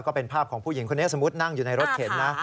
ก็เป็นภาพของผู้หญิงคนนี้สมมุตินั่งอยู่ในรถเข็นนะ